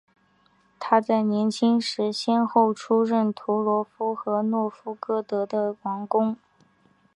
他在年轻时先后出任图罗夫和诺夫哥罗德的王公。